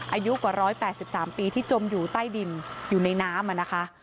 อายุกว่า๑๘๓ปีที่จมอยู่ใต้ดินอยู่ในน้ำนะคะ